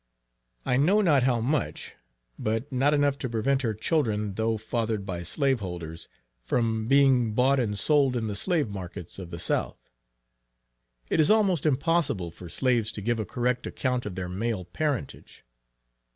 I know not how much; but not enough to prevent her children though fathered by slaveholders, from being bought and sold in the slave markets of the South. It is almost impossible for slaves to give a correct account of their male parentage.